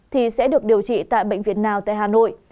thì sẽ được điều trị tại bệnh viện nào tại hà nội